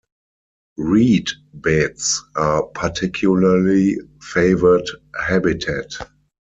Reed beds are a particularly favoured habitat.